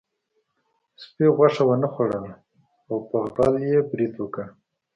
سپي غوښه ونه خوړله او په غل یې برید وکړ.